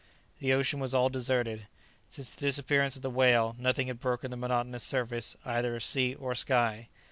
The ocean was all deserted. Since the disappearance of the whale nothing had broken the monotonous surface either of sea or sky.